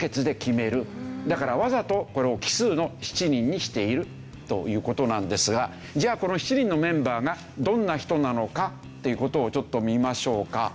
だからわざとこれを奇数の７人にしているという事なんですがじゃあこの７人のメンバーがどんな人なのかっていう事をちょっと見ましょうか。